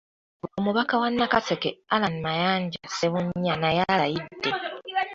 Omubaka wa Nakaseke, Allan Mayanja Ssebunnya naye alayidde.